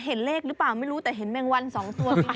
เห็นเลขหรือเปล่าไม่รู้แต่เห็นแมงวัน๒ตัวจริง